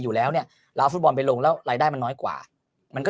อยู่แล้วเนี่ยเราเอาฟุตบอลไปลงแล้วรายได้มันน้อยกว่ามันก็